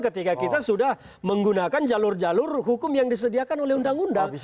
ketika kita sudah menggunakan jalur jalur hukum yang disediakan oleh undang undang